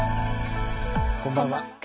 こんばんは。